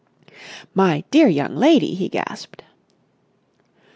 "My dear young lady!" he gasped.